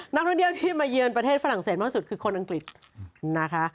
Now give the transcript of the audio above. นักท่องเที่ยวที่มาเยือนประเทศฝรั่งเศสมากสุดคือคนอังกฤษนะคะ